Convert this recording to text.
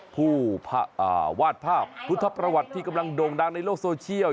วาดภาพพุทธประวัติที่กำลังโด่งดังในโลกโซเชียล